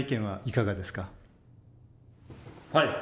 はい。